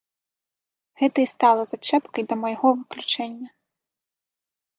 Гэта і стала зачэпкай да майго выключэння.